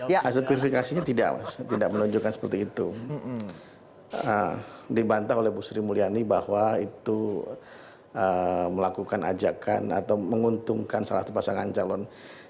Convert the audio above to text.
ya hasil verifikasinya tidak menunjukkan seperti itu dibantah oleh bu sri mulyani bahwa itu melakukan ajakan atau menguntungkan salah satu pasangan calon